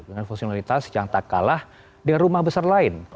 dengan fungsionalitas yang tak kalah dengan rumah besar lain